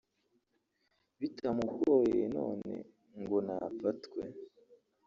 bitamugoye none ngo nafatwe